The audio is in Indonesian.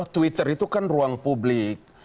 twitter itu kan ruang publik